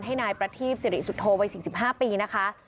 ให้นายประทีปสิริสุโธวัย๔๕ปีนะคะ